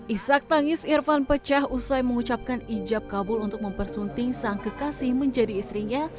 isak tangis irfan pecah usai mengucapkan ijab kabul untuk mempersunting sang kekasih menjadi istrinya